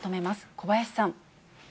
小林さん。